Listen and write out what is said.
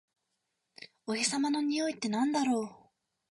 お日様のにおいってなんだろう？